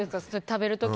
食べる時。